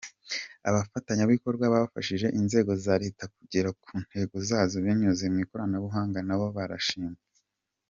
Abafatanyabikorwa bafashije inzego za leta kugera ku ntego zazo binyuze mu ikoranabuhanga nabo barashimirwa.